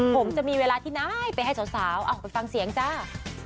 ผมจะมีเวลาที่ไหนไปให้สาวไปฟังเสียงจ้า